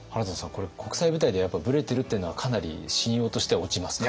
これ国際舞台でやっぱりブレてるっていうのはかなり信用としては落ちますか？